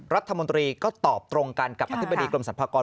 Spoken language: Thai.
รัฐมนตรีก็ตอบตรงกันกับอธิบดีกรมสรรพากร